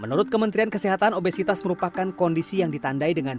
menurut kementerian kesehatan obesitas merupakan kondisi yang ditandai dengan